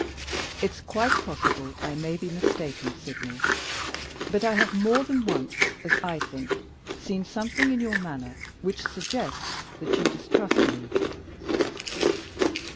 "It's quite possible I may be mistaken, Sydney. But I have more than once, as I think, seen something in your manner which suggests that you distrust me."